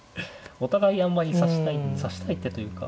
お互いあんまり指したい指したい手というか。